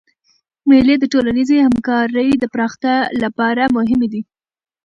مېلې د ټولنیزي همکارۍ د پراختیا له پاره مهمي دي.